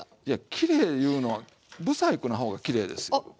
きれいいうのは不細工な方がきれいですよ。